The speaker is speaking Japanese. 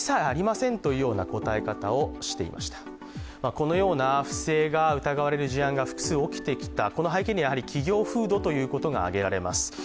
このような不正が疑われる事案が複数起きてきた、この背景にはやはり企業風土が挙げられます。